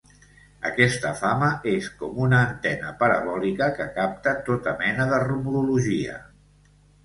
Aquesta fama és com una antena parabòlica que capta tota mena de rumorologia.